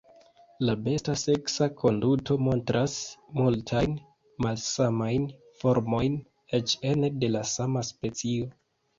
La besta seksa konduto montras multajn malsamajn formojn, eĉ ene de la sama specio.